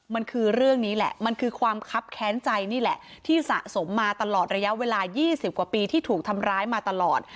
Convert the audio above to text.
มันคือเรื่องนี้แหละมันคือความคับแค้นใจนี่แหละที่สะสมมาตลอดระยะเวลา๒๐กว่าปีที่ถูกทำร้ายมาตลอด